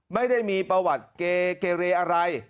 ไม่ได้มีประวัติเกเรอะไร